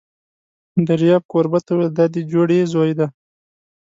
دریاب کوربه ته وویل: دا دې جوړې زوی دی!